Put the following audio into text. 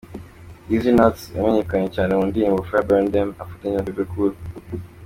Dizzy Nuts yamenyekanye cyane mu ndirimbo ‘Fire Burn Dem’ afatanyije na Bebe Cool.